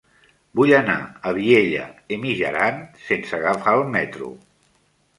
Vull anar a Vielha e Mijaran sense agafar el metro.